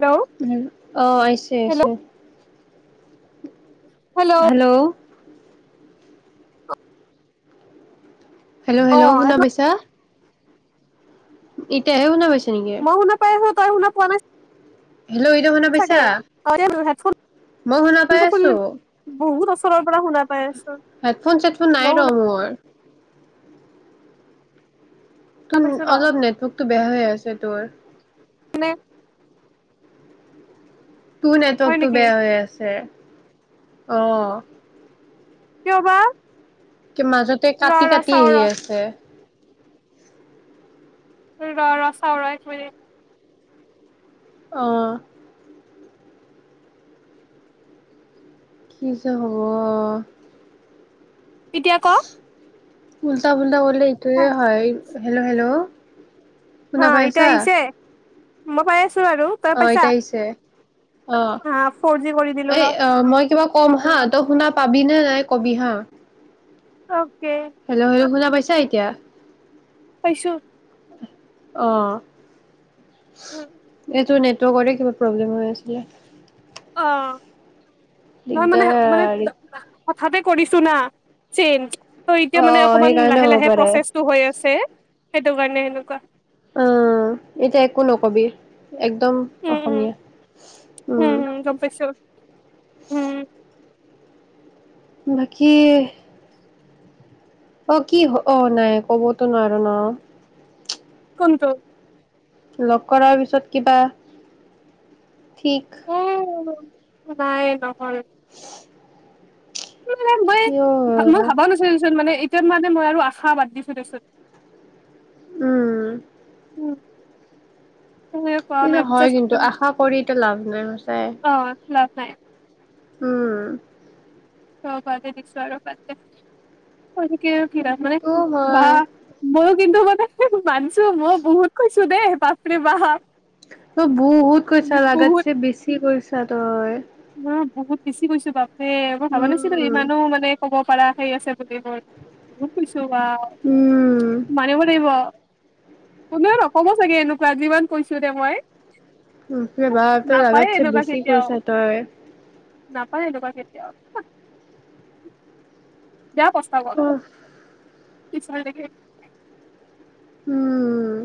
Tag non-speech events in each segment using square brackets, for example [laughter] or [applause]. Hello উম অ আইছে আইছে। হেল্ল' হেল্ল' হেল্ল' অ হেল্ল শুনা পাইছা? এতিয়াহে শুনা পাইছে নেকি? তাই শু তাই শুনা পোৱা নাই ছাগে। হেল্ল' এইটো শুনা পাইছা অ হেডফোনটো মই শুনা পাই খুলি আছোঁ। বহুত ওচৰৰ পৰা শুনা পাই আছো হেডফোন চেডফোন নাই মই ৰ শুনা মোৰ ত পাইছো ৰ অলপ নেটৱৰ্কটো বেয়া হৈ আছে তোৰ। মানে তোৰ হয় নেটৱৰ্কটো নেকি বেয়া হৈ আছে অ। কিয় বা মাজতে ৰ কাটি ৰ কাটি চাও আহি ৰ আছে। ৰ ৰ চাও ৰ এক মিনিট। অঁ কি যে হ'ব। এতিয়া ক'? উল্টা-পুল্টা কৰিলে এইটোৱে হয়, হেল্ল' হেল্ল'? শুনা হা এতিয়া পাইছা আহিছে মই পাই আছো আৰু। তই অ', পাইছা এতিয়া আহিছে অহ হা ফৰ জি কৰি দিলো ৰ এই মই কিবা ক'ম হা তই শুনা পাবিনে নাই কবি হা? অকে। হেল্ল' হেল্ল' শুনা পাইছা এতিয়া? পাইছো। অ'। উম। এইটো নেটৱৰ্কৰে কিবা প্ৰব্লেম হৈ আছিলে। অ', নহয় মানে মানে দিগদাৰ [unintelligible] হঠাতে কৰিছো না, চেঞ্জ ত' এতিয়া অ মানে অকমান সেইকাৰণে লাহে হ'ব লাহে পাৰে প্ৰচেচ টো হৈ আছে সেইটো কাৰণে সেনেকুৱা। অ', এতিয়া একো নকবি একদম উম, উম, অসমীয়া উম, উম গ'ম পাইছো উম। বাকী অ', কি অ', নাই ক'বতো নোৱাৰো ন'। কোনটো? ল'গ কৰাৰ পিছত কিবা ঠিক উ, নাই নহ'ল। সেইবিলাক মই কিয় মই ভাবাও নাছিলো দেচোন মানে এতিয়া মানে মই আৰু আশা বাদ দিছো দেচোন। উম। উম, [unintelligible] সেইটো হয় জাষ্ট কিন্তু আশা কৰিটো লাভ নাই সচাই। অ লাভ নাই। উম। থ বাদে দিছোঁ আৰু বাদ দে কৈ থাকিলে নো কি লাভ সেইটো হয় [unintelligible] মই কিন্তু মানে মানছো মই বহুত কৈছো দেই বাপৰে বাপ। তই বহুত কৰিছা বহুত লাগাতছে বেছি কৈছা তই। অ', বহুত বেছি গৈছো বাপেৰে মই ভাবা নাছিলো উম ইমানো মানে ক'ব পাৰা সেই আছে বুলি মোৰ। বহুত কৈছোঁ বা উম মানিব লাগিব। কোনেও নক'ব চাগে এনেকুৱা যিমান কৈছো দে মই। বাপৰে বা তই নাপায়ে লাগাতছে এনেকুৱা বছি কেতিয়াও কৈছা তই। নাপায় এনেকুৱা কেতিয়াও। বেয়া উফ প্ৰস্তাৱত ষ্টটাইল দেখি। উম,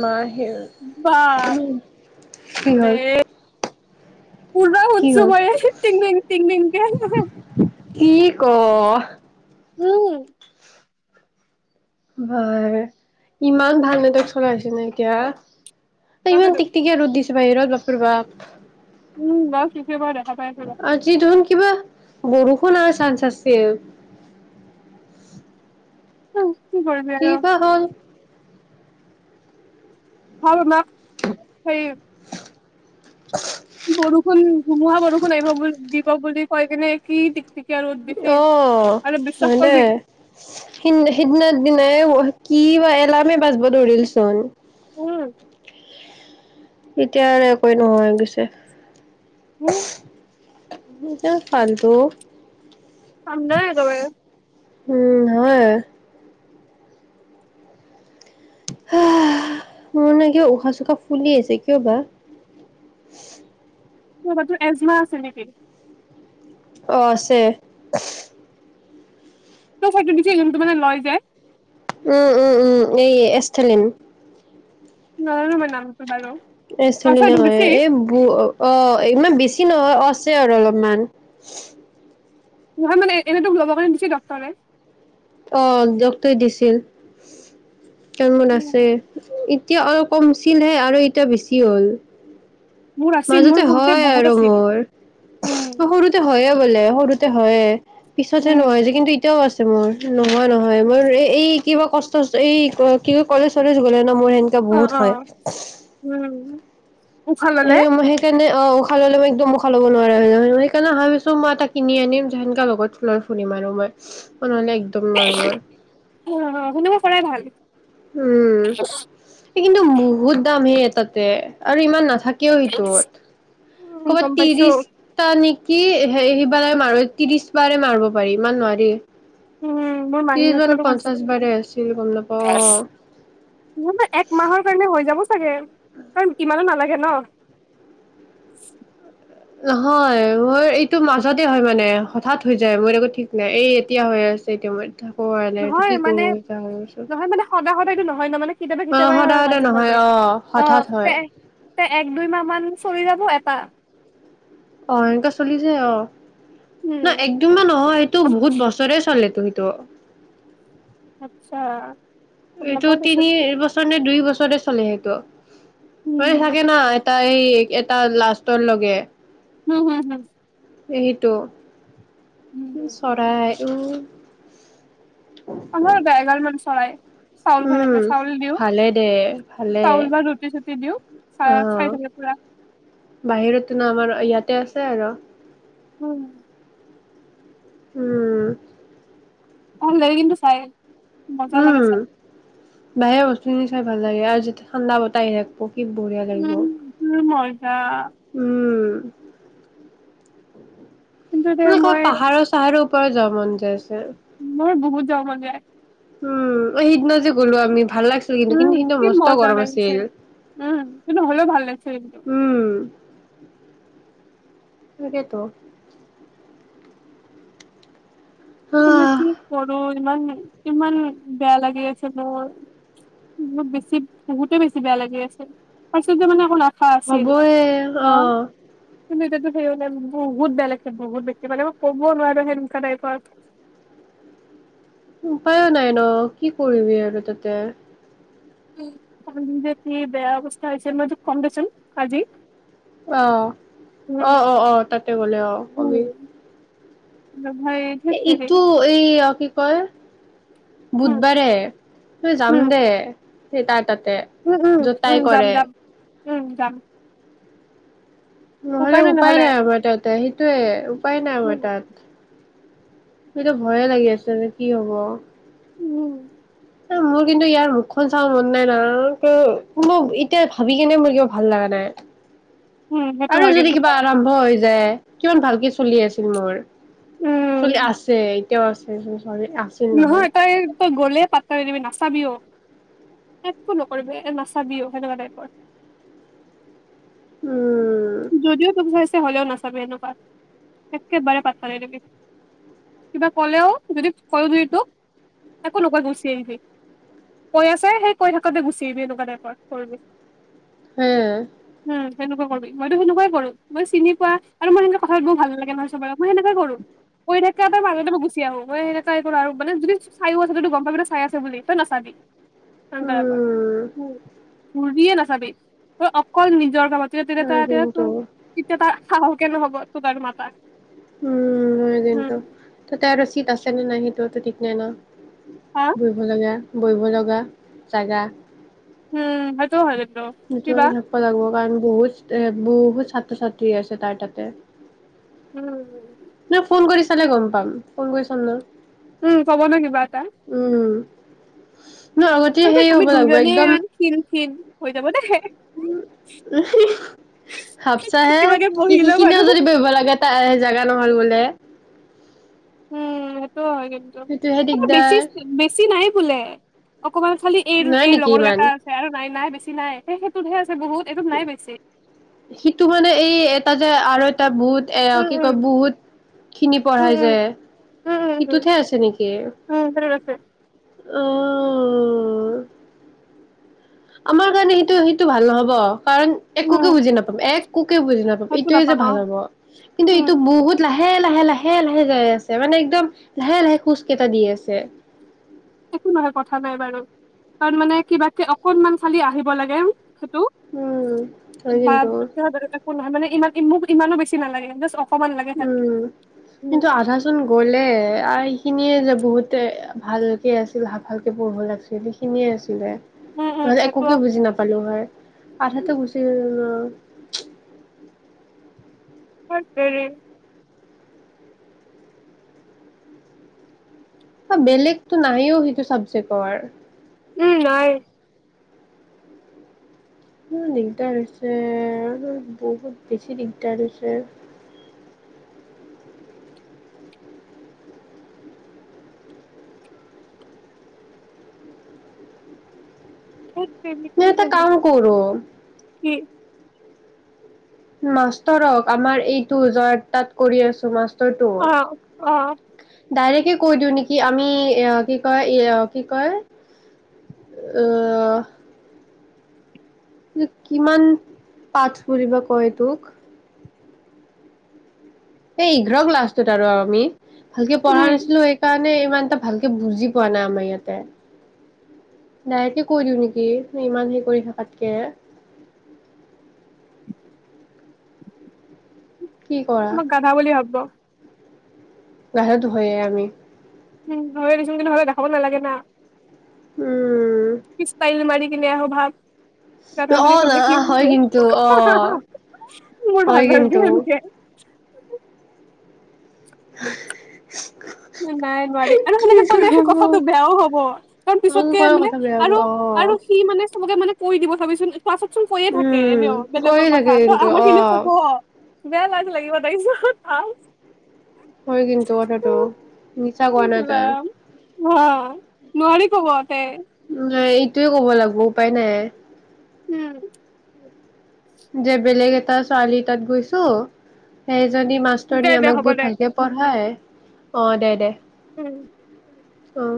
মা আহিল। বাপৰে। হ'ল? পূৰা কি শুনছো হ'ল মই তিংদিং তিংদিংক কৰে। কি কও? উম। বা ইমান ভাল [unintelligible] চলাইছে নে এতিয়া। ইমান তাকেতো টিক টিকে ৰ'দ দিছো বাহিৰত বাপৰে বাপ। উম, গছ [unintelligible] দেখা পাই আছো ৰ'। আজি দেখোন কিবা বৰষুণ আহা চান্স আছে। বাও কৰিবি কি আৰু বা হ'ল? হ'ল মাক সেই [inaudible] বৰষুণ ধুমুহা বৰষুণ আহিব বুলি দিব বুলি কৈ কিনে কি টিক-টিক এতিয়া ৰ'দ বেছি আৰু বিশ্বাস কৰিবি সিদিনা সিদিনা দিনাই কি বা এলাৰ্মে বাজিব ধৰিল চোন। উম! এতিয়া আৰু একোৱেই নোহোৱা হৈ গৈছে। হুম! কি যে ফালটো। সন্দেহ একেবাৰে। উম! হয়। [unintelligible] মোৰ নে কিয় উশাহ-চুশাহ ফুলি আহিছে কিয় বা? ৰবা তোৰ এজমা আছিল নেকি? অঁ! আছে। তোক সেইটো বুজি যোনটো মানে লয় যে। উম-উম-উম! এই এষ্টেলিন। নোৱাৰোঁ মই নামতো বাৰু। অ এষ্টেলিন চৰি তোক দিছি হয়েই এই বো অ! ইমান বেছি নহয় আছে আৰু অলপমান। নহয় মানে এনেই তোক ল'ব কাৰণে দিছে ডক্তৰে? অঁ! ডক্তৰে দিছিল। কাৰণ মোৰ আছে। এতিয়া অলপ কম হৈছিলহে আৰু এতিয়া বেছি হ'ল। মোৰ আছিল মোৰ মাজতে সৰুতে হয় বহুত আৰু আছিল মোৰ [unintelligible] উম সৰুত সৰুতে হয়ে বোলে, সৰুতে হয়ে পিছতহে উম নোহোৱা হৈছে কিন্তু এ এতিয়াও আছে মোৰ। নহয়-নহয় মোৰ এই কিবা কষ্ট এই কিবা কলেজ-চলেজ গ'লে ন মোৰ সেন অঁ-অঁ! উম। উশাহ ললে সেই মই সেই তেনে অঁ উশাহ ল'লে মই একদম উশাহ ল'ব নোৱাৰা হৈ যাম। সেইকাৰণে ভাবিছোঁ মই এটা কিনি আনিম যেনকা লগত। লৈ ফুৰিম আৰু মই নহ'লে একদম নোৱাৰো মই। অঁ-অঁ! সেনেকুৱাই কৰাই ভাল। উম! এই কিন্তু বহুত দাম হে এটাতছ আৰু ইমান নাথাক কেও সেইটোত। উম ক'ৰবাত গম পাইছো ত্ৰিছ টা নেকি সি বাৰৰ মাৰৈ ত্ৰিছ বাৰে মাৰিব পাৰি ইমান নোৱাৰি। উম। মোৰ ত্ৰিছ মানে মাহীহঁতৰো আছে পঞ্চাশ বাৰেই আছিল নাপাওঁ অঁ। মোৰটো এক মাহৰ কাৰণে হৈ যাব চাগে কাৰণ ইমানো নালাগে ন। নহয় মোৰ এইটো মাজতে হয় মানে হঠাৎ হৈ যায় মোৰ একো ঠিক নাই। এই এতিয়া হৈ আছে এতিয়া মই একো হোৱা নাই এতিয়া নহয় কি মানে কৰোঁ উপায় নোহোৱা হৈছে। নহয় মানে সদায় সদায়তো নহয় ন মানে কেতিয়াবা অঁ কেতিয়াবাই হয় সদায়-সদায় মাজে নহয় অঁ। হঠাৎ হয়। এই এক, দুই মাহ মান চলি যাব এটা। অঁ! এনেকা চলিছে অঁ উম নহয় এক, দুইমাহ নহয় এইটো বহুত বস্তু [unintelligible] চলে তো সেইটো। আচ্ছা গম এইটো নাপাও তিনি দেচোন বছৰ নে দুই বছৰে চলে সেইটো। উম মানে থাকে না এটাত এই এটা লাষ্টৰ লৈকে। উম, হম, হম। সেইটো উম চৰাই উ। [unintelligible] এগাল মান চৰাই। চাউল খাই উম, থাকে চাউল দিওঁ ভালে দে ভালে। চাউল বা ৰুটি চুটি দিওঁ। খাই থাকে পুৰা। বাহিৰত ন আমাৰ ইয়াতে আছে আৰু। উম। উম। ভাল লাগে কিন্তু চাই মজা লাগে উম। চাই। বাহিৰা বস্তুখিনি চাই ভাল লাগে আৰু যেতিয়া ঠাণ্ডা বতাহ আহি থাকিব কি বঢ়িয়া লাগিব। এ মজা। উম। কিন্তু দে এনে ক'ৰবাত মই পাহাৰৰ চাহাৰৰ ওপৰত যাব মন যায় আছে। মোৰ বহুত যাব মন যায়। উম, সিদিনা যে গ'লো আমি ভাল লাগিছিল কিন্তু কিন্তু উম সিদিনা কি মষ্ট মজা গৰম লাগিছে আছিল। উম, কিন্তু হ'লেও ভাল লাগছিল একদম। উম, তাকেতো। তুমি আহ কি ক'ৰ ইমান ইমান বেয়া লাগি আছে মোৰ। বহুত বেছি বহুতে বেছি বেয়া লাগি আছে। আচলতে মানে শুনা হা আছিল হ'বয়ে ন। অ'। কিন্তু এতিয়াতো বহুত বেয়া লাগছে বহুত একেবাৰে মই ক'ব নোৱাৰো সেনেকুৱা টাইপত। উপায়ো নাই ন কি কৰিবি আৰু তাতে। কি বেয়া অৱস্থা হৈ হৈছে মই তোক কম দেচোন আজি। অ', অ', উম অ', অ', তাতে গ'লে অ' কবি। উম [inaudible] এই ইটো এই কি কয়। উম বুধবাৰে তই যাম উম দে তাৰ তাতে। উম, উম, য'ত উম, তাই যাম কৰে যাম উম যাম। নহ'লে উপায় নাই আমাৰ তাতে সেইটোয়ে উপায় নাই আমাৰ উম তাত। মৰতো ভয়ে লাগি আছে যে কি হ'ব। উম। মোৰ কিন্তু ইয়াৰ মুখখন চাব মন নাই নহয় এতিয়া ভাবি কেনে মোৰ কিবা ভাল লগা নাই। উম সেইটো আৰু হয় যদি কিন্তু কিবা হয় আৰম্ভ হৈ যায়। কিমান ভালকে চলি আছিল মোৰ উম চলি আছে এতিয়াও আছে [unintelligible] নহয় তাই তই গ'লে পাতটি দিবি নাচাবিও একো নকৰিবি এ নাচাবিও সেনেকুৱা টাইপৰ। উম। যদিও তোক চাইছে হ'লেও নাচাবি এনেকুৱা একেবাৰে পাট্টা নিদিবি। কিবা কলেও যদি কয়ও তোক একো নোকোৱাকে গুচি আহিবি। কৈ আছে সেই থাকাটে গুচি আহিবি সেনেকুৱা টাইপৰ। হেই। উম, সেনেকুৱা কৰবি। মইতো সেনেকাই কৰো মই চিনিপোৱা আৰু মই এনেকুৱা কথা পাতিব ভল নালাগে নহয় চব মই সেনেকুৱাই কৰো। কৈ থাকে তাৰ মাজতে মই গুছি আহো মই সেনেকাই কৰো আৰু মানে যদি চাইয়ো আছে যদি গম পাৱ চাই আছে বুলি তই নাচাবি। সেনেকুৱা টাইপৰ উম উম ঘুৰিয়েই নাচাবি তই অকল নিজৰ কামতে চা হয় এতিয়া টো কিন্তু তেতিয়া তাৰ সাহসে নহ'ব তোমাক মাতা। উম' হয় কিন্তু, উম তাতে আৰু চীট আছে নে নাই সেইটোটো ঠিক নাই ন। হাঁ' বহিব লগা বহিব লগা জাগা। উম' হেইটো হয় কিন্তু। এইটো কিবা এৰি নপলাব কাৰন, বহুত এ বহুত ছাত্ৰ ছাত্ৰী আছে তাৰ তাতে। উম' উম' নে ফোন কৰি চালে গম পাম, ফোন কৰি চাম নহয়। উম' ক'ব ন কিবা এটা। উম' ন আগতেই হেই হ'ব লাগিব, একদম- খিন খিন হৈ যাব দে হে। ভাপচাহে কিবাকে বহি ল'ম আৰু সিখিনিও যদি ভয়িব লাগে- তাইয়ে জাগা নহ'ল বোলে। উম' সেইটো হয় কিন্তু, সেইটোহে বেছি দিগদাৰ বেছি নাই বোলে অকমান খালি- এই নাই এই নেকি লগৰ ইমান গেটা আছে আৰু নাই নাই বেছি নাই, সেইটোটহে আছে বহুত এইটোট নাই বেছি। সিটো মানে এই এটা যে আৰু এটা বুত- এ উম কি উম কয় বহুত খিনি উম পঢ়াই যে। উম সিটোতহে আছে নেকি? উম উম উম উম সেইটোত আছে অঁ' আমাৰ কাৰণে সেইটো সেইটো ভাল নহব, কাৰণ উম একোকে বুজি নাপাম একোকে বুজি নাপাম। একো এইটোয়ে যে আৰু ভাল হ'ব, কিন্তু উম এইটো বহুত- লাহে লাহে লাহে লাহে যাই আছে, মানে একদম লাহে লাহে খোজ কেইটা দি আছে। একো নহয় কথা নাই বাৰু, কাৰণ মানে কিবা অকনমান খালি আহিব লাগে সেইটো। উম হয় বাব কিন্তু একো নহয় মানে, ইমান মোক ইমানো বেছি নালাগে, জাচ অক- উম' কিন্তু আধাচ- টোন গ'লে আৰু এইখিনিয়ে যে বহুতে ভালকে আছিল সা ভালকে পঢ়িব লাগছিলে। শুনিয়ে আছোঁ দে। উম উম নহলে সেইটো একোকে বুজি নাপালো হয়, আধাতো গুচি ন- হেইত তেৰি। আ বেলেগতো নাইও সেইটো চাবজেক্টৰ। উম' নাই। উম' দিগদাৰ হৈছে আৰু বহুত বেছি দিগদাৰ হৈছে। হেইত তেৰি মই কি এটা যে কাম হ'ব কৰো কি- মাষ্টৰক আমাৰ এইটো জয় তাত কৰি আছো মাষ্টৰটো। অ অ ডাইৰেকে কৈ দিওঁ নেকি, আমি এ কি কয় এ কি কয়? অ' কিমান পাঠ কৰিব পৰিব ক এটোক। এই ইঘ্ৰ ক্লাছটোত আৰু আমি ভালকে পঢ়া উম নাছিলো সেইকা- মানে ইমান এটা ভালকে বুজি পোৱা নাই আমাৰ ইয়াতে। ডাইৰেকে কৈ দিওঁ নেকি ইমান হেৰি কৰি থকাতকে। কি কৰা? মোক গাধা বুলি ভাবিব। গাধাটো হয়ে আমি। উম, হয়ে দেছোন, কিন্তু হলেও দেখাব নালাগে না। উম কি ষ্টাইল মাৰি- কিনে আহো ভাব। গাধা অ বুলি না ভাবিলে কি, হয় কিন্তু অ মোৰ ভাল হয় নালগে কিন্তু সেনেকে। [unintelligible] নাই নোৱাৰি, আৰু সেনেকে ক'লে কথাটো বেয়াও হ'ব। তাৰ মোক পিছতকে কয় মানে কথা বেয়া আৰু, পাব অ আৰু, সি মানে চবকে মানে কৈ দিব চাবিচোন, ক্লাছত চুন কয় থাকে, উম এনেও কৈয়ে বেলেগৰ থাকে কথা, ত' কিন্তু আমাৰ অ খিনিও ক'ব। বেয়া লাজ লাগিব, তাৰপিচত ভাল। হয়, কিন্তু কথাটো। মিছা কোৱা নাই ইছ তই ৰাম অ', নোৱাৰি ক'বতে। নাই এইটোয়ে ক'ব লাগিব, উপায় নাই। উম। যে বেলেগ এটা ছোৱালী তাত গৈছো, সেইজনী দে মাষ্টৰনি দে আমাক হ'ব দে বহুত ভালকে পঢ়াই অ', দে দে। উম। অ'।